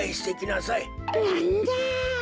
なんだ。